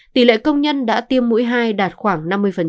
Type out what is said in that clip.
tỷ lệ công nhân đã tiêm mũi hai đạt khoảng năm mươi